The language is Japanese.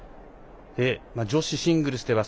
女子シングルスでは